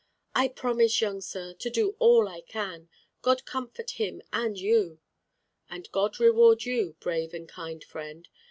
"I promise, young sir, to do all I can. God comfort him and you." "And God reward you, brave and kind friend.